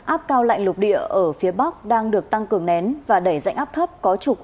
áp cao lạnh lục địa ở phía bắc đang được tăng cường nén và đẩy dạnh áp thấp có trục